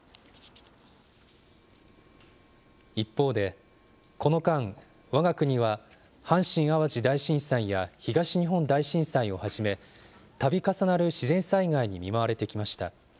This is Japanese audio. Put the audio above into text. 一方で、この間、わが国は阪神・淡路大震災や東日本大震災をはじめ、たび重なる自然災害に見舞われてきました。